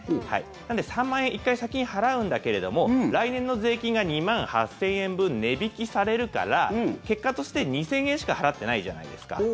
なので、３万円１回先に払うんだけれども来年の税金が２万８０００円分値引きされるから結果として２０００円しか払ってないじゃないですか。